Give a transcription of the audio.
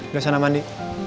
udah sana mandi